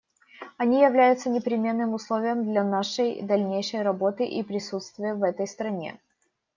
Они являются непременным условием для нашей дальнейшей работы и присутствия в этой стране.